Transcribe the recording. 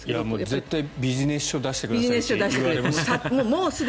絶対ビジネス書出してくださいって言われますよ。